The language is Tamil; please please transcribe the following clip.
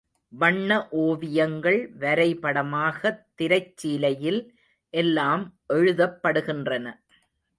வண்ண ஓவியங்கள் வரைபடமாகத் திரைச் சீலையில் எல்லாம் எழுதப்படுகின்றன.